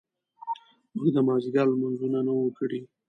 موږ د مازیګر لمونځونه نه وو کړي.